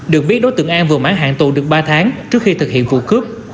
được biết đối tượng an vừa mãn hạn tù được ba tháng trước khi thực hiện vụ cướp